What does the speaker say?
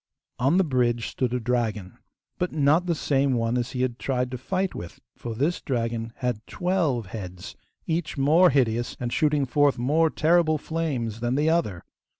On the bridge stood a dragon, but not the same one as he had tried to fight with, for this dragon had twelve heads, each more hideous and shooting forth more terrible flames than the other.